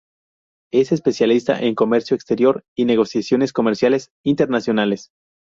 Es especialista en comercio exterior y negociaciones comerciales internacionales.